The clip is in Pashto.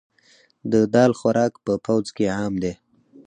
د دال خوراک په پوځ کې عام دی.